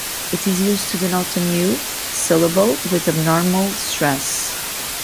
It is used to denote an "u" syllable with abnormal stress.